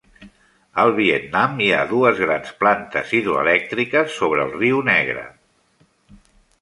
Al Vietnam hi ha dues grans plantes hidroelèctriques sobre el riu Negre.